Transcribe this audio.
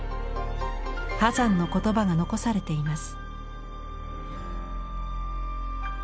波山の言葉が残されています。